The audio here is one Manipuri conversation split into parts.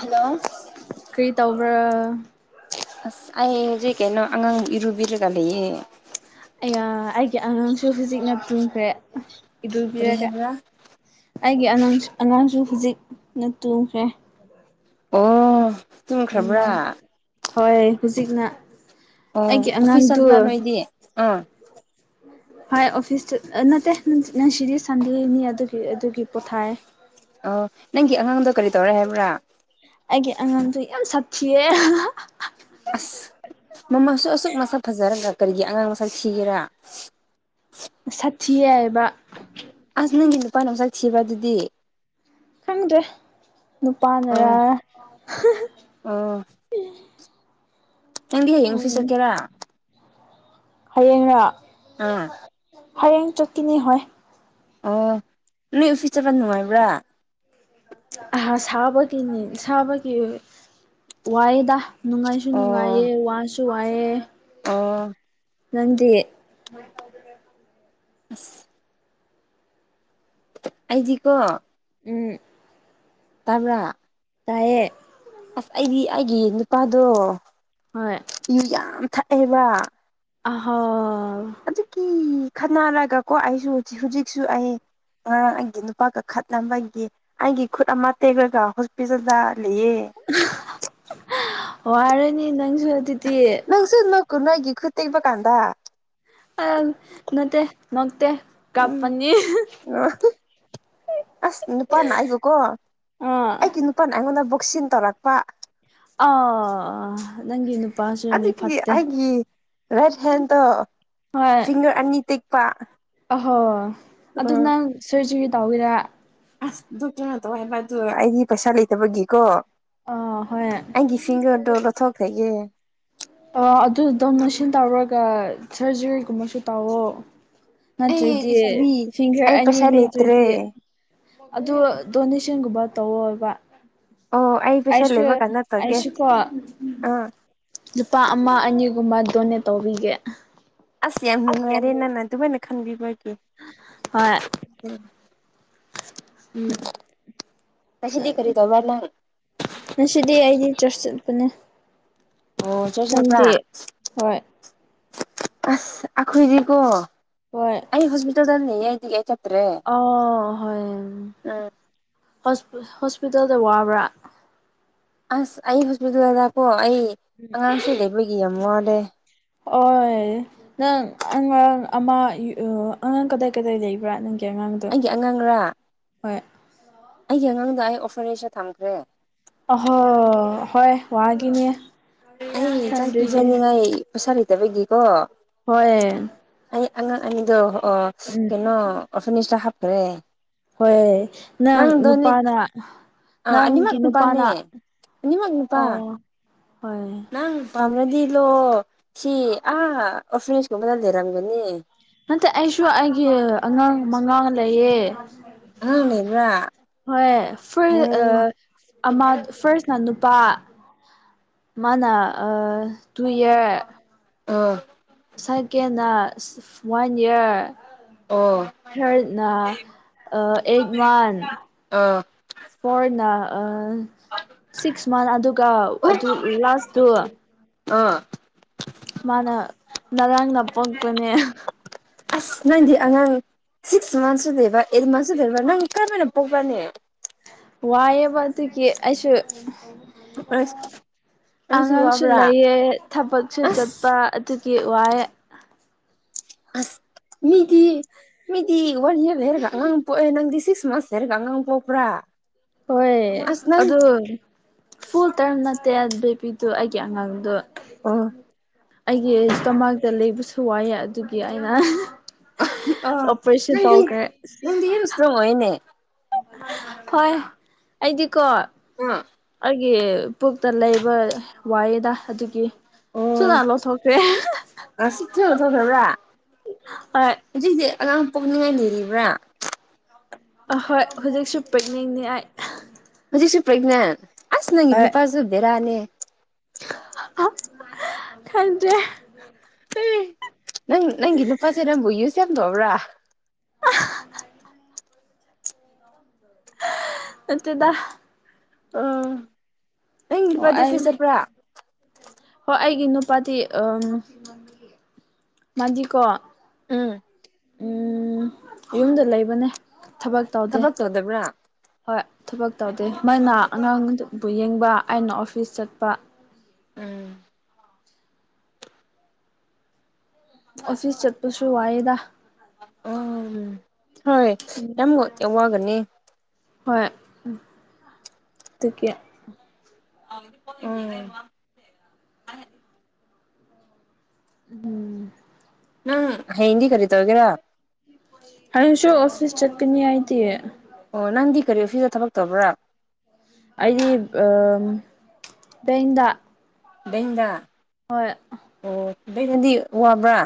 ꯍꯜꯂꯣ ꯀꯔꯤ ꯇꯧꯕ꯭ꯔꯥ ꯑ ꯑꯩ ꯆꯔꯤ ꯀꯩꯅꯅꯣ ꯑꯉ ꯑ ꯏꯔꯨꯕꯤꯔꯨꯒ ꯂꯩꯏ ꯑꯩꯒꯤ ꯑꯉꯥꯡꯁꯨ ꯍꯧꯖꯤꯛ ꯅꯞ ꯆꯨꯡꯈ꯭ꯔꯦ ꯀꯔꯤ ꯏꯔꯕꯤꯔꯒ [unintelligible] ꯑꯩꯒꯤ ꯑꯉꯥꯡ ꯑꯉꯥꯡꯁꯨ ꯍꯧꯖꯤꯛꯅ ꯇꯣꯡꯈ꯭ꯔꯦ ꯑꯣ ꯇꯨꯝꯈ꯭ꯔꯕ꯭ꯔꯥ ꯎꯝ ꯍꯣꯏ ꯍꯧꯖꯤꯛꯅ ꯑꯣ ꯑꯩꯒꯤ ꯑꯉꯥꯡꯗꯨ ꯑꯣꯐꯤꯁꯜꯕ꯭ꯔꯥ ꯅꯣꯏꯗꯤ ꯑꯥ ꯍꯣꯏ ꯑꯣꯐꯤꯁꯇ ꯅꯠꯇꯦ ꯅꯪꯁꯤꯗꯤ ꯁꯟꯗꯦꯅꯤ ꯑꯗꯨꯒꯤ ꯑꯗꯨꯒꯤ ꯄꯣꯊꯥꯏ ꯑꯣ ꯅꯪꯒꯤ ꯑꯉꯥꯡꯗꯣ ꯀꯔꯤ ꯇꯧꯔꯦ ꯍꯥꯏꯕ꯭ꯔꯥ ꯑꯩꯒꯤ ꯑꯉꯥꯡꯗꯣ ꯌꯥꯝ ꯁꯥꯊꯤꯌꯦ ꯑꯁ ꯃꯃꯥꯁꯨ ꯑꯁꯨꯛ ꯃꯁꯛ ꯐꯖꯔꯒ ꯀꯔꯤꯒꯤ ꯑꯉꯥꯡ ꯃꯁꯛ ꯊꯤꯒꯦꯔꯥ ꯁꯥꯊꯤ ꯍꯥꯏꯕ ꯏꯄꯥꯅ ꯑꯃꯆꯛ ꯊꯤꯕ ꯑꯗꯨꯗꯤ ꯈꯪꯗꯦ ꯅꯨꯄꯥꯅꯔꯥ ꯑꯥ ꯑꯣ ꯅꯪꯗꯤ ꯍꯌꯦꯡ ꯐꯤꯤꯁꯠꯀꯦꯔꯥ ꯍꯌꯦꯡꯅ ꯑꯥ ꯍꯌꯦꯡ ꯆꯠꯀꯤꯅꯤ ꯍ ꯑꯣ ꯅꯣꯏ ꯑꯣꯐꯤꯁ ꯆꯠꯄ ꯅꯨꯡꯉꯥꯏꯕ꯭ꯔꯥ ꯑꯍ ꯁꯥꯕꯒꯤꯅꯤ ꯁꯥꯕꯒꯤ ꯋꯥꯏꯗ ꯅꯨꯡꯉꯥꯏꯁꯨ ꯑꯣ ꯅꯨꯡꯉꯥꯏꯌꯦ ꯋꯥꯁꯨ ꯋꯥꯏꯑꯦ ꯑꯣ ꯅꯟꯦ ꯑꯁ ꯑꯖꯤ ꯀꯣ ꯎꯝ ꯇꯕ꯭ꯔꯥ ꯇꯌꯦ ꯑꯁ ꯑꯩꯗꯤ ꯑꯩꯒꯤ ꯅꯨꯄꯥꯗꯣ ꯍꯣꯏ ꯌ ꯌꯥꯝ ꯊꯛꯑꯦꯕ ꯑꯍꯣ ꯑꯗꯨꯀꯤ ꯈꯟꯅꯔꯒ ꯀꯣ ꯑꯩꯁꯨꯖꯤ ꯍꯧꯖꯤꯛꯁꯨ ꯑꯩ ꯉꯔꯥꯡ ꯑꯩꯒꯤ ꯅꯨꯄꯥꯒ ꯈꯠꯅꯕꯒꯤ ꯑꯩꯒꯤ ꯈꯨꯠ ꯑꯃ ꯇꯦꯛꯂꯒ ꯍꯣꯁꯄꯤꯇꯥꯜꯗ ꯂꯩꯌꯦ [unintelligible] ꯋꯥꯔꯅꯤ ꯅꯪꯁꯨ ꯅꯪꯁꯨ ꯅ ꯀꯨ ꯅꯣꯏꯒꯤ ꯈꯨꯇꯦꯛꯕ ꯀꯥꯟꯗ ꯑ ꯅꯠꯇꯦ ꯅꯣꯛꯇꯦ ꯎꯝ ꯀꯥꯞꯄꯅꯤ ꯑꯁ ꯅꯨꯄꯥꯅ ꯑꯩꯕꯨꯀꯣ ꯑꯥ ꯑꯩꯗꯤ ꯅꯨꯄꯥꯅ ꯑꯩꯉꯣꯟꯗ ꯕꯣꯛꯁꯤꯟ ꯇꯧꯔꯛꯄ ꯑ ꯅꯪꯒꯤ ꯅꯨꯄꯥꯁꯨ ꯃꯤ ꯑꯗꯨꯒꯤ ꯐꯠꯇꯦ ꯑꯩꯒꯤ ꯔꯥꯏꯠ ꯍꯦꯟꯗꯣ ꯐꯤꯡꯒꯔ ꯑꯅꯤ ꯇꯦꯛꯄ ꯍꯣꯏꯣꯏ ꯑꯗꯨ ꯎꯝ ꯅꯪ ꯁꯔꯖꯔꯤ ꯇꯧꯒꯦꯔꯥ ꯑꯁ ꯑꯗꯨ ꯀꯩꯅꯣ ꯇꯧ ꯍꯥꯏꯕ ꯑꯗꯨ ꯑꯩꯗꯤ ꯄꯩꯁꯥ ꯂꯩꯇꯕꯒꯤꯀꯣ ꯑ ꯍꯣꯏ ꯑꯩꯒꯤ ꯐꯤꯡꯒꯔꯗꯣ ꯂꯧꯊꯣꯛꯈ꯭ꯔꯒꯦ ꯑꯗꯨꯗ ꯅꯁꯤꯟ ꯇꯧꯔꯒ ꯁꯔꯖꯔꯤꯒꯨꯝꯕꯁꯨ ꯇꯧꯋꯣ ꯑꯦ ꯅꯠꯇꯣꯏꯇꯦ ꯂꯩꯁꯥꯕꯤ ꯐꯒꯔ ꯑꯩ ꯑꯅꯤ ꯄꯩꯁꯥ ꯂꯩ ꯂꯩꯇ꯭ꯔꯦ ꯆꯣꯏꯇꯦ ꯑꯗꯨ ꯗꯣꯅꯦꯁꯟꯒꯨꯝꯕ ꯇꯧꯋꯕ ꯑꯣ ꯑꯩ ꯄꯩꯁꯥ ꯑꯩꯁꯨ ꯂꯩꯕ ꯀꯥꯟꯗ ꯇꯧꯒꯦ ꯑꯩꯁꯨꯀꯣ ꯑꯥ ꯂꯨꯄꯥ ꯑꯃ ꯑꯅꯤꯒꯨꯝꯕ ꯇꯅꯦ ꯇꯧꯕꯤꯒꯦ ꯑꯁ ꯌꯥꯝ ꯅꯨꯡꯉꯥꯏꯔꯦ ꯅꯅ ꯑꯗꯨꯃꯥꯏꯅ ꯈꯟꯕꯤꯕꯒꯤꯦ ꯍꯣꯏ ꯎꯝ ꯉꯁꯤꯗꯤ ꯀꯔꯤ ꯇꯧꯕ꯭ꯔꯥ ꯅꯪ ꯉꯁꯤꯗꯤ ꯑꯩꯗꯤ ꯆꯔꯆ ꯆꯠꯄꯅꯦ ꯑꯣ ꯆꯣꯏ ꯆꯄ ꯅꯪꯗꯤ ꯍꯣꯏ ꯑꯁ ꯑꯈꯣꯏꯗꯤꯀꯣ ꯍꯣꯏ ꯑꯩ ꯍꯣꯁꯄꯤꯇꯥꯜꯗꯅꯤ ꯑꯣ ꯎꯝ ꯍ ꯍꯣꯁꯄꯤꯇꯥꯜꯗ ꯋꯥꯕ꯭ꯔꯥ ꯑꯁ ꯑꯩ ꯍꯣꯁꯄꯤꯇꯥꯜꯗꯗꯀꯣ ꯑꯩ ꯑꯉꯥꯡꯁꯨ ꯂꯩꯕꯒꯤ ꯌꯥꯝ ꯋꯥꯠꯂꯦ ꯑꯣ ꯅꯪ ꯑꯉꯥꯡ ꯑꯃ ꯑꯉꯥꯡ ꯀꯗꯥꯏ ꯀꯗꯥꯏ ꯂꯩꯕ꯭ꯔꯥ ꯅꯪ ꯀꯦ ꯑꯉꯥꯡꯗꯣ ꯑꯩꯒꯤ ꯑꯉꯥꯡꯔꯥ ꯍꯣꯏ ꯑꯩꯒꯤ ꯑꯉꯥꯡꯗ ꯑꯩ ꯑꯣꯐꯔꯁꯦ ꯊꯝꯈ꯭ꯔꯦ ꯑꯍꯣ ꯍꯣꯏ ꯋꯥꯒꯤꯅꯦ ꯊꯟꯗꯣꯏꯗꯤ ꯄꯩꯁꯥꯂꯤ ꯇ ꯩꯒꯀꯣ ꯍꯣꯏ ꯑꯩ ꯑꯉꯥꯡ ꯑꯅꯤꯗꯣ ꯎꯝ ꯀꯩꯅꯣ ꯐꯔꯅꯤꯁꯇ ꯍꯥꯞꯈ꯭ꯔꯦ ꯍꯣꯏ ꯅꯪ ꯅꯨꯄꯥꯅ ꯑ ꯑꯅꯤꯃꯛ ꯅꯪꯒꯤ ꯅꯨꯄꯥꯅꯦ ꯅꯨꯄꯥꯅ ꯑꯅꯤꯃꯛꯠ ꯅꯨꯄꯥ ꯑꯣ ꯍꯣꯏ ꯅꯪ ꯄꯝꯔꯗꯤ ꯍꯜꯂꯣ ꯁꯤ ꯑꯥ ꯑꯣꯐꯔꯤꯁꯀꯨꯝꯕꯅ ꯂꯩꯔꯝꯒꯅꯤ ꯅꯠꯇꯦ ꯑꯩꯁꯨ ꯑꯩꯒꯤ ꯑꯉꯥꯡ ꯃꯉꯥꯡ ꯂꯩꯌꯦ ꯏ ꯐꯥ ꯐꯔꯁ ꯅꯨꯄꯥ ꯃꯥꯅ ꯇꯨ ꯏꯌꯥꯔ ꯑꯥ ꯁꯦꯀꯦꯟꯅ ꯋꯥꯟ ꯏꯌꯥꯔ ꯊꯔ ꯑ ꯑꯦꯖꯃꯟ ꯑꯥ ꯐꯣꯔꯅꯥ ꯑ ꯁꯤꯛꯁ ꯃꯟ ꯑꯗꯨꯒ ꯎ ꯑꯗꯨ ꯂꯥꯁꯇꯨ ꯑꯥ ꯃꯥꯅ ꯉꯔꯥꯡꯅ ꯄꯣꯛꯄꯅꯦ ꯑꯁ ꯅꯪꯗꯤ ꯑꯉꯥꯡ ꯁꯤꯛꯁ ꯃꯟꯁꯁꯨ ꯂꯩꯔꯕ ꯑꯩꯠ ꯃꯟꯁꯁꯨ ꯂꯩꯔꯕ ꯅꯪ ꯀꯔꯝꯥꯏꯅ ꯄꯣꯛꯄꯅꯦ ꯋꯥꯏꯑꯦꯕ ꯑꯗꯨꯒꯤ ꯑꯩꯁꯨ ꯑꯁ ꯅꯪꯁꯨ ꯑꯉꯥꯡꯁꯨ ꯋꯥꯕ꯭ꯔꯥ ꯂꯩꯌꯦ ꯊꯕꯛꯁꯨ ꯆꯠꯄ ꯑꯁ ꯀꯦ ꯋꯥꯏ ꯑꯁ ꯃꯤꯒꯤ ꯃꯤꯗꯤ ꯋꯥꯟ ꯌꯌꯥꯔ ꯚꯦꯔꯒ ꯑꯉꯥꯡ ꯄꯣꯛꯑꯦ ꯅꯪꯗꯤ ꯁꯤꯛꯁ ꯃꯟꯁ ꯂꯩꯦꯔꯒ ꯑꯉꯥꯡ ꯄꯣꯛꯄ꯭ꯔꯥ ꯍꯣꯏ ꯑꯁ ꯅꯪ ꯑꯗꯨ ꯐꯨꯜ ꯇꯔꯝ ꯅꯠꯇꯦꯦ ꯄ ꯑꯗꯨ ꯑꯩꯒꯤ ꯑꯉꯥꯡꯗꯣ ꯑꯣ ꯑꯩꯒꯤ ꯏꯁꯇꯃꯥꯇ ꯂꯩꯕꯁꯨ ꯋꯥꯏꯑ ꯑꯗꯨ ꯑꯩꯅ ꯑ ꯑꯣꯄꯔꯦꯁꯟ ꯅꯪꯗꯤ ꯇꯧꯈ꯭ꯔꯦ ꯅꯪꯗꯤ ꯌꯥꯝ ꯏꯁꯇ꯭ꯔꯣꯡ ꯑꯣꯏꯅꯦ ꯍꯣꯏ ꯑꯩꯗꯤꯀꯣ ꯑꯥ ꯑꯩꯒꯤ ꯄꯨꯛꯇ ꯂꯩꯕ ꯋꯥꯗ ꯑꯗꯨꯒꯤ ꯑꯣ ꯊꯨꯅ ꯂꯧꯊꯣꯛꯈ꯭ꯔꯦ ꯑ ꯁꯤ ꯊ ꯊ ꯊꯕ꯭ꯔꯥ ꯍꯣꯏ ꯍꯧꯖꯤꯛ ꯍꯧꯖꯤꯛ ꯑꯉꯥꯡ ꯄꯣꯛꯅꯤꯡꯉꯥꯏ ꯂꯩꯔꯤꯕ꯭ꯔꯥ ꯑꯍꯣꯏ ꯍꯧꯖꯤꯛꯁꯨ ꯄꯤꯛꯅꯤꯡꯅꯤ ꯑꯩ ꯍꯧꯖꯤꯛꯁꯨ ꯄꯖ ꯑꯁ ꯅꯪ ꯍꯤꯗꯨ ꯄꯥꯁꯨ ꯦꯔꯥꯅꯤ ꯈꯗꯦ ꯅꯪ ꯅꯪꯒꯤ ꯅꯨꯄꯥꯁꯤꯦ ꯅꯕꯨ ꯌꯨꯁꯦ ꯌꯥꯝꯗꯣꯕ꯭ꯔꯥ ꯅꯠꯇꯗ ꯎ ꯅ ꯑꯣ ꯅꯨꯄꯥꯗꯤ ꯑꯩ ꯐꯁꯄ꯭ꯔꯥ ꯍꯣꯏ ꯑꯩꯒꯤ ꯅꯨꯄꯥꯗꯤ ꯎ ꯃꯗꯤꯀꯣ ꯑꯥ ꯎꯝ ꯌꯨꯝꯗ ꯂꯩꯕꯅꯦ ꯊꯕꯛ ꯇꯧꯗꯦ ꯍꯣꯏ ꯊꯕꯛ ꯇꯧꯗꯦ ꯃꯅ ꯑꯉꯥꯡꯗꯨꯕꯨ ꯌꯦꯡ ꯑꯩꯅ ꯑꯣꯐꯤꯁ ꯆꯠꯄ ꯎꯝ ꯑꯣꯐꯤꯁ ꯆꯠꯄꯁꯨ ꯋꯥꯢꯗ ꯑ ꯍꯣꯏ ꯅꯝꯒꯣ ꯋꯥꯒꯅꯤ ꯍꯣꯏ ꯇꯀꯦ ꯎꯝ ꯎꯝ ꯅꯪ ꯍꯗꯤ ꯀꯔꯤ ꯇꯧꯒꯦꯔꯥ ꯍꯥꯏꯌꯦꯁꯨ ꯑꯣꯐꯤꯁ ꯆꯠꯀꯅꯤ ꯍꯥꯏꯗꯤ ꯑꯣ ꯅꯪꯗꯤ ꯀꯔꯤ ꯑꯣꯐꯤꯁꯇ ꯊꯕꯛ ꯇꯧꯕ꯭ꯔꯥ ꯗ ꯗ ꯍꯣꯏ ꯕꯦꯅꯗꯤ ꯋꯥꯕ꯭ꯔꯥ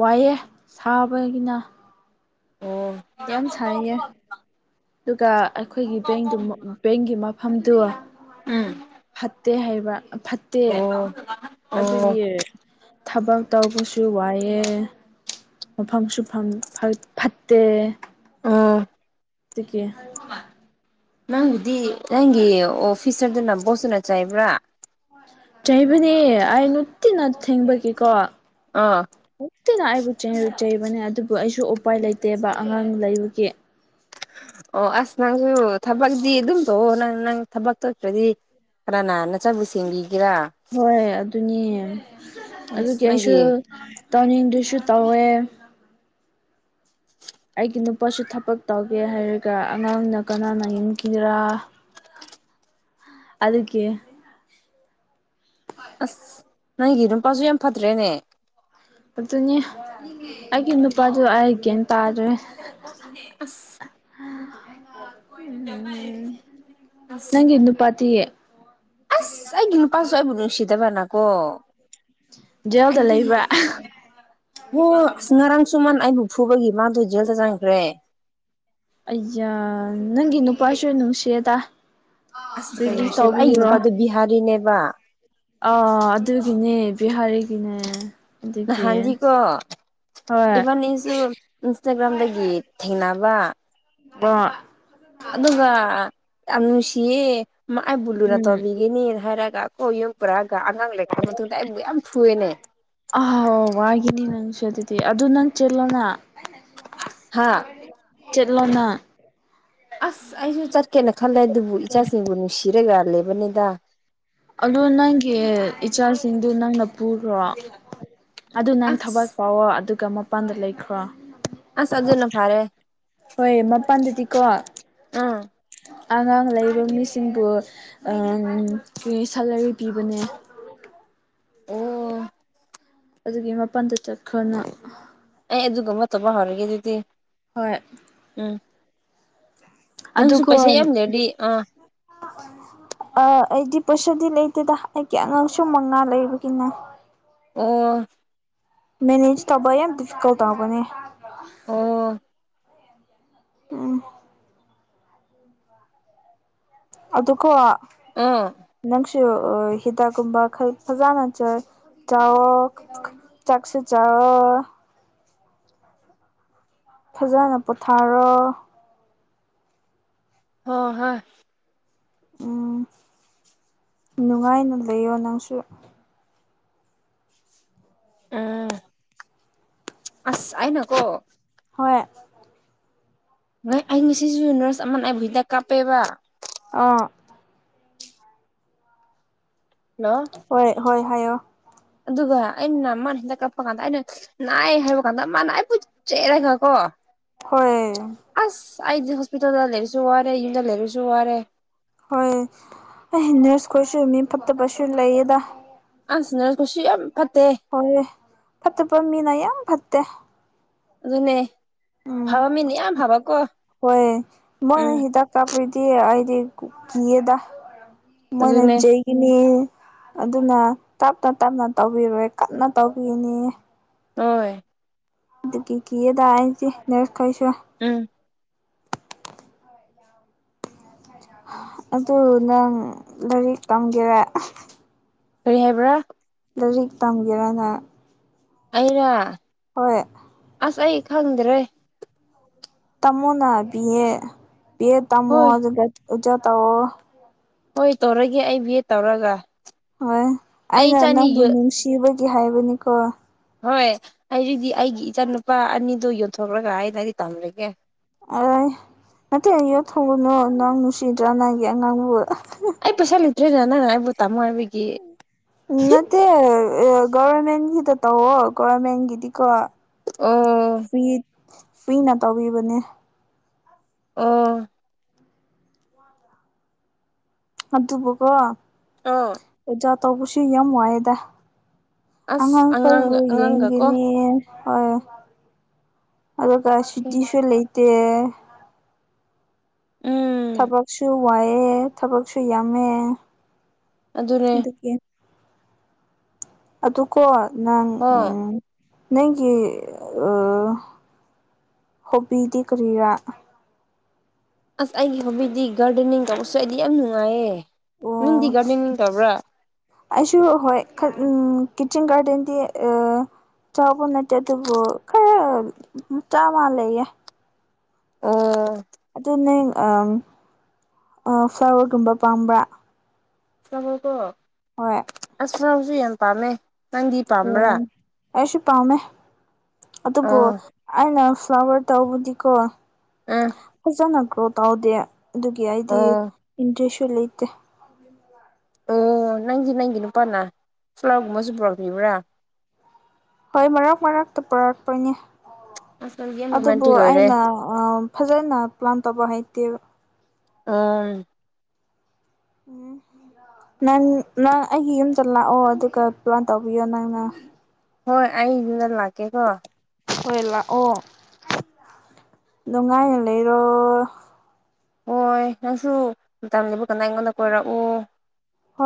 ꯋꯥꯏꯑꯦ ꯁꯥꯕꯒꯤꯅ ꯑꯣ ꯌꯥꯝ ꯁꯥꯟꯅꯩꯌꯦ ꯑꯗꯨꯒ ꯑꯩꯈꯣꯏꯒꯤ ꯕꯦꯡꯗꯨ ꯕꯦꯡꯒꯤ ꯃꯐꯝꯗꯨ ꯎꯝ ꯐꯠꯇꯦ ꯍꯥꯏꯕ ꯐꯠꯇꯦ ꯑꯣ ꯑꯣ ꯑꯗꯨꯒꯤ ꯊꯕꯛ ꯇꯧꯕꯁꯨ ꯋꯥꯏꯑꯦ ꯃꯐꯝ ꯁꯨꯐꯝ ꯐꯠꯇꯦ ꯑꯥ ꯇꯀꯦ ꯅꯪꯕꯨꯗꯤ ꯅꯪꯒꯤ ꯑꯣ ꯐꯤꯁꯔꯗꯨꯅ ꯕꯣꯁꯅ ꯆꯥꯏꯕ꯭ꯔꯥ ꯆꯩꯕꯅꯦ ꯑꯩ ꯇꯤꯅ ꯊꯦꯡꯕꯒꯤꯀꯣ ꯑꯥ ꯃꯛꯇꯦꯅꯥꯏꯕꯨ ꯆꯦ ꯏꯕꯅꯦ ꯑꯗꯨ ꯑꯩꯁꯨ ꯎꯄꯥꯏ ꯂꯩꯇꯦꯕ ꯑꯉꯥꯡ ꯂꯩꯕꯒꯤ ꯑꯣ ꯑꯁ ꯅꯪꯁꯨ ꯊꯕꯛꯇꯗꯤꯤ ꯑꯗꯨꯝ ꯇꯧꯑꯣ ꯅꯪ ꯅꯪ ꯊꯕꯛ ꯇꯧꯇ꯭ꯔꯗꯤ ꯀꯅꯥ ꯅ ꯆꯆꯥꯕꯨꯁꯤ ꯍꯣꯏ ꯑꯗꯨꯅꯤ ꯑꯁ ꯑꯗꯨꯒꯤ ꯑꯩꯁꯨ ꯅꯪꯒꯤ ꯇꯥꯎꯅꯤꯡꯗꯨꯁꯨ ꯇꯧꯋꯦ ꯑꯩꯒꯤ ꯅꯨꯄꯥꯁꯨ ꯊꯕꯛ ꯇꯧꯒꯦ ꯍꯥꯏꯔꯒ ꯑꯉꯥꯡꯅ ꯀꯅꯥꯅ ꯌꯦꯟꯈꯤꯔꯥ [inaudible] ꯑꯗꯨ ꯀꯦ ꯑꯁ ꯅꯪꯒꯤ ꯅꯨꯄꯥꯁꯨ ꯌꯥꯝ ꯐꯠꯇ꯭ꯔꯦꯅꯦ ꯑꯗꯨꯅꯦ ꯑꯩꯒꯤ ꯅꯨꯄꯥꯗꯨ ꯑꯩꯒꯦꯅ ꯇꯥꯗ꯭ꯔꯦ ꯑꯁ ꯑꯁ ꯅꯪ ꯏꯅ ꯄꯇꯦ ꯑꯁ ꯑꯩꯒꯤ ꯅꯨꯄꯥꯁꯨ ꯑꯩꯕꯨ ꯅꯨꯡꯁꯤꯗꯕꯥꯅꯥ ꯀꯣ ꯖꯦꯜꯗ ꯂꯩꯕ ꯑꯣ ꯑꯁ ꯉꯔꯥꯡ ꯁꯨꯝꯃꯟ ꯑꯩꯕꯨꯛ ꯐꯨꯕꯒꯤ ꯃꯥꯗꯣ ꯖꯦꯜꯗ ꯆꯪꯈ꯭ꯔꯦ ꯑꯌꯥ ꯅꯪꯒꯤ ꯅꯨꯄꯥꯥꯏꯁꯨ ꯅꯨꯡꯁꯤꯗ ꯑꯁ ꯀꯔꯤ ꯍꯥꯏꯁꯦꯕ ꯑꯩꯒꯤ ꯃꯄꯥꯗꯨ ꯕꯤꯍꯥꯔꯤꯅꯦꯕ ꯑꯥ ꯑꯗꯨꯒꯤꯅꯦ ꯕꯤꯍꯥꯔꯤꯒꯤꯅꯦ ꯑꯗꯨꯒꯤ ꯍꯥꯟꯖꯤꯀꯣ ꯍꯣꯏ ꯏꯚꯟꯁꯨ ꯏꯟꯁꯇꯒ꯭ꯔꯥꯝꯗꯒꯤ ꯊꯦꯡꯅ ꯋꯥ ꯑ ꯑꯗꯨꯒ ꯌꯥꯝ ꯅꯨꯡꯁꯤꯌꯦ ꯑꯩ ꯕꯨꯜꯂꯨꯅ ꯎꯝ ꯇꯣꯕꯤꯒꯤꯅꯤꯅ ꯍꯥꯏꯔꯛ ꯒ ꯀꯣ ꯌꯨꯝ ꯄꯨꯔꯛꯑꯒ ꯑꯉꯥꯡ ꯂꯩꯈ꯭ꯔ ꯃꯇꯨꯡꯗ ꯑꯩꯕꯨ ꯌꯥꯝ ꯐꯨꯑꯦꯅꯦ ꯑꯍꯥꯎ ꯋꯥꯒꯤꯅꯤ ꯅꯪꯁꯨ ꯑꯗꯨꯗꯤ ꯑꯗꯨ ꯅꯪ ꯆꯠꯂꯣꯅ ꯍꯥ ꯆꯠꯂꯣꯅꯪ ꯑꯁ ꯑꯩꯁꯨ ꯆꯠꯀꯦꯅ ꯈꯜꯂꯦ ꯑꯗꯨꯕꯨ ꯏꯆꯥꯁꯤꯡꯕꯨ ꯅꯨꯡꯁꯤꯔ ꯌꯥꯜꯂꯦꯕꯅꯤꯗ ꯑꯣ ꯅꯪꯒꯤ ꯏꯆꯥꯁꯤꯡꯗꯨ ꯅꯪꯅ ꯄꯨꯔꯣ ꯑꯗꯨ ꯅꯪ ꯊꯕꯛ ꯑꯁ ꯀꯥꯎꯑꯣꯣ ꯑꯗꯨꯒ ꯃꯄꯥꯟꯗ ꯂꯩꯈ꯭ꯔꯣ ꯑ ꯁꯖꯅ ꯐꯥꯔꯦ ꯍꯣꯏ ꯃꯄꯥꯟꯗꯗꯤꯀꯣ [inaudible] ꯑꯉꯥꯡ ꯂꯩ ꯃꯤꯁꯤꯡꯕꯨ ꯁꯦꯂꯔꯤ ꯄꯤꯕꯅꯦ [unintelligible] ꯑꯗꯨꯒꯤ ꯃꯄꯥꯟꯗ ꯆꯠꯈ꯭ꯔꯣꯅ ꯑꯗꯨꯒꯗꯨꯒ ꯃꯠꯇꯕ ꯍꯔꯒꯦ ꯑꯗꯨꯗꯤ ꯍꯣꯏ ꯎꯝ ꯅꯪꯁꯨ ꯄꯩꯁꯥ ꯑꯗꯨꯒꯣꯟ ꯌꯥꯝ ꯂꯩꯔꯗꯤ ꯑꯥ ꯑ ꯑꯩꯗꯤ ꯄꯩꯁꯥꯗꯤ ꯂꯩꯇꯦꯗ ꯑꯩꯒꯤ ꯑꯉꯥꯡꯁꯨ ꯃꯉꯥ ꯂꯩꯕꯒꯤꯅꯦ ꯑꯣ ꯃꯦꯅꯦꯖ ꯇꯕ ꯌꯥꯝ ꯗꯤꯐꯀꯜꯕꯅꯦ ꯑꯣ ꯎꯝ ꯑꯗꯨꯀꯣ ꯑꯥ ꯍꯤꯗꯥꯛꯒꯨꯝꯕ ꯐꯖꯅꯆ ꯆꯥꯎꯋꯣ ꯆꯥꯛꯁꯤ ꯆꯋ ꯐꯖꯅ ꯄꯣꯊꯥꯔꯣ ꯍ ꯍꯥ ꯎꯝ ꯅꯨꯡꯉꯥꯏꯅ ꯂꯩꯌꯣ ꯅꯪꯁꯨ ꯑꯝ ꯑꯁ ꯍꯥꯏꯅ ꯀꯣ ꯍꯣꯏ ꯅꯣꯏ ꯑꯩ ꯉꯁꯤꯁꯨ ꯅꯔꯁ ꯑꯃ ꯑꯩꯕꯨ ꯍꯤꯗ ꯀꯥꯞꯄꯦꯕ ꯑꯥ ꯍꯜꯂꯣ ꯍꯣꯏ ꯍꯣꯏ ꯍꯥꯏꯣ ꯑꯗꯨꯒ ꯑꯩꯅ ꯃꯥꯅ ꯍꯟꯗ ꯀꯛꯄ ꯀꯥꯟꯗ ꯑꯩꯅ ꯅꯥꯏ ꯍꯥꯏꯕ ꯀꯥꯟꯗ ꯃꯥꯅꯏꯠ ꯆꯦꯔꯦꯒ ꯀꯣ ꯍꯣꯏ ꯑꯁ ꯑꯩꯗꯤ ꯍꯣꯁꯄꯤꯇꯥꯜꯗ ꯂꯩꯔꯁꯨ ꯋꯥꯔꯦ ꯌꯨꯝꯗ ꯂꯩꯔꯁꯨ ꯋꯥꯔꯦ ꯍꯣꯏ ꯑꯩ ꯅꯔꯁ ꯈꯣꯏꯁꯨ ꯃꯤ ꯐꯠꯇꯕꯁꯨ ꯂꯩꯌꯦꯗ ꯑꯥꯡꯁꯤꯅ ꯀꯣꯁꯤ ꯌꯥꯝ ꯐꯠꯇꯦ ꯍꯣꯏ ꯐꯠꯇꯕ ꯃꯤꯅ ꯌꯥꯝ ꯐꯠꯇꯦ ꯑꯗꯨ ꯑꯗꯨꯅꯦ ꯎꯝ ꯐꯕ ꯃꯤꯅ ꯌꯥꯝ ꯐꯕꯀꯣ ꯍꯣꯏ ꯃ ꯎꯝ ꯍꯤꯗ ꯀꯥꯄ ꯀ ꯑꯗꯤ ꯀꯗ ꯃꯣꯏꯅ ꯑꯗꯨꯅꯦ ꯆꯦꯛꯒꯤꯅꯤ ꯑꯗꯨꯅ ꯇꯞꯅ ꯇꯞꯅ ꯇꯧꯕꯤꯔꯣꯏ ꯀꯟꯅ ꯇꯧꯕꯤꯅꯤ ꯍ ꯑꯗꯨ ꯀ ꯀ ꯇꯁꯤ ꯅꯔ ꯈꯩꯁꯨꯣ ꯎꯝ ꯑꯗꯨ ꯅꯪ ꯂꯥꯏꯔꯤꯛ ꯇꯝꯒꯦꯔꯦ ꯀꯔꯤ ꯍꯥꯏꯕ꯭ꯔꯥ ꯂꯥꯏꯔꯤꯛ ꯇꯝꯒꯦꯔꯅ ꯑꯩꯔ ꯍꯣꯏ ꯑꯁ ꯑꯩ ꯈꯪꯗ꯭ꯔꯦ ꯇꯝꯃꯣꯅ ꯄꯤꯌꯦꯦ ꯄꯤꯌꯦꯦ ꯇꯝꯃꯣ ꯍꯣꯏ ꯑꯗꯨ ꯑꯣꯖꯥ ꯇꯥꯑꯣꯣ ꯍꯣꯏ ꯇꯧꯔꯒꯦ ꯑꯩ ꯚꯦꯠ ꯇꯧꯔꯒ ꯍꯣꯏ ꯑꯩ ꯑꯩꯅ ꯏꯆꯥꯅꯤ ꯅꯪꯕꯨ ꯅꯨꯡꯁꯤꯕꯒꯤ ꯍꯥꯏꯕꯅꯤꯀꯣ ꯍꯣꯏ ꯑꯩꯁꯤꯗꯤ ꯑꯩꯒꯤ ꯏꯆꯥ ꯅꯨꯨꯄꯥ ꯑꯅꯤꯗꯣ ꯌꯣꯟꯊꯣꯛꯂꯒ ꯑꯩꯅꯗꯤ ꯇꯝꯔꯒꯦ ꯑ ꯃꯠꯇꯦ ꯑ ꯌꯣꯠ ꯍꯒꯨꯅꯣ ꯅꯪ ꯨꯁꯤꯗ꯭ꯔꯥ ꯅꯪꯦ ꯑꯉꯥꯡꯕꯨ ꯑꯩ ꯄꯩꯁꯥ ꯂꯩꯇ꯭ꯔꯦꯅꯦ ꯅꯪ ꯑꯩꯕꯨ ꯇꯥꯃꯣ ꯍꯥꯏꯕꯒꯤ ꯎꯝ ꯅꯠꯇꯦ ꯒꯣꯕꯔꯃꯦꯟꯒꯤꯗ ꯇꯧꯋꯣ ꯒꯚꯔꯃꯦꯟꯒꯤꯗꯤꯀꯣ ꯑꯣ ꯐ꯭ꯔꯤ ꯐ꯭ꯔꯤꯅ ꯇꯧꯕꯤꯕꯅꯦ ꯑꯣ ꯑꯗꯨꯕꯨ ꯀꯣ ꯑꯣ ꯇꯧꯕꯁꯨ ꯌꯥꯝ ꯋꯥꯏꯌ‌ꯦꯗ ꯑꯁ ꯑꯉꯥꯡꯈꯣꯏꯕꯨ ꯑꯉꯥꯡꯒ ꯑꯉꯥꯡꯒ ꯀꯣ ꯌꯦꯡꯒꯤꯅꯤ ꯍ ꯑꯗꯨꯗ ꯁꯨꯇꯤꯁꯨ ꯂꯩꯇ‌ꯦ ꯎꯝ ꯊꯕꯛꯁꯨ ꯋꯥꯏꯌ‌ꯦ ꯊꯕꯛꯁꯨ ꯌꯥꯝꯃꯦ ꯑꯗꯨꯅꯦ ꯑꯗꯨꯒꯤ ꯑꯗꯨꯀꯣ ꯅꯪ ꯍꯣ ꯎꯝ ꯅꯪꯒꯤ ꯍꯣꯕꯤꯗꯤ ꯀꯔꯤꯔꯥ ꯑꯁ ꯑꯩꯒꯤ ꯍꯣꯕꯤꯗꯤ ꯒꯥꯔꯗꯦꯅꯤꯡ ꯇꯧꯕꯁꯨ ꯑꯩꯗꯤ ꯌꯥꯝ ꯅꯨꯡꯉꯥꯏꯌꯦ ꯅꯪꯗꯤ ꯑꯣ ꯒꯔꯗ‌ꯦꯅꯤꯡ ꯇꯧꯕ꯭ꯔꯥ ꯑꯩꯁꯨ ꯍꯣꯏ ꯎꯝ ꯀꯤꯆꯟ ꯒꯥꯔꯗꯦꯟꯗꯤ ꯑ ꯆꯥꯎꯕ ꯅꯠꯇ‌ꯦ ꯑꯗꯨꯕꯨ ꯈꯔ ꯃꯥꯆꯥ ꯑꯃ ꯂꯩꯌꯦ ꯑꯣ ꯑꯗꯨ ꯅꯪ ꯑ ꯐ꯭ꯂꯥꯋꯔꯒꯨꯝꯕ ꯄꯥꯝꯕ꯭ꯔꯥ ꯍꯣꯏ ꯆꯥꯎꯁꯨ ꯌꯥꯝ ꯄꯥꯝꯃꯦ ꯅꯪꯗꯤ ꯍꯣꯏ ꯄꯥꯝꯕ꯭ꯔꯥ ꯑꯩꯁꯨ ꯄꯥꯝꯃꯦ ꯑꯗꯨꯕꯨ ꯑꯣ ꯑꯩꯅ ꯐ꯭ꯂꯥꯋꯔ ꯇꯧꯕꯗꯤꯀꯣ ꯎꯝ ꯐꯖꯅ ꯒ꯭ꯔꯣ ꯇꯧꯗꯦ ꯑꯗꯨꯒꯤ ꯑꯩꯗꯤ ꯑꯣ ꯏꯟꯇ꯭ꯔꯦꯁꯁꯨ ꯂꯩꯇꯦ ꯑꯣ ꯅꯪꯒꯤ ꯅꯪꯒꯤ ꯅꯨꯄꯥꯅ ꯐ꯭ꯂꯥꯔꯒꯨꯝꯕꯁꯨ ꯄꯨꯔꯛꯄꯤꯕ꯭ꯔꯥ ꯍꯣꯏ ꯃꯔꯛ ꯃꯔꯛꯇ ꯄꯨꯔꯛꯄꯅꯦ ꯑꯁ ꯅꯪꯗꯤ ꯌꯥꯝ ꯑꯗꯨꯕꯨ ꯔꯣꯃꯦꯟꯇꯤꯛ ꯑꯣꯏꯔꯦ ꯑꯩꯅ ꯑ ꯐꯖꯟꯅ ꯄ꯭ꯂꯥꯟ ꯇꯧꯕ ꯍꯥꯏꯩꯇꯦꯕ ꯑꯥ ꯎꯝ ꯅꯪ ꯅꯪ ꯑꯩꯒꯤ ꯌꯨꯝꯗ ꯂꯥꯛꯑꯣ ꯑꯗꯨꯒ ꯄ꯭ꯂꯥꯟ ꯇꯧꯕꯤꯌꯣ ꯅꯪꯅ ꯍꯣꯏ ꯑꯩ ꯌꯨꯝꯗ ꯂꯥꯛꯀꯦꯀꯣ ꯍꯣꯏ ꯂꯥꯛꯑꯣ ꯑꯗꯨ ꯉꯥꯏꯅ ꯂꯩꯔꯣ ꯍꯣꯏ ꯅꯪꯁꯨ ꯂꯨꯇꯝꯂꯩꯕ ꯀꯟꯗꯥ ꯑꯩꯉꯣꯟꯗ ꯀꯣꯏꯔꯛꯎ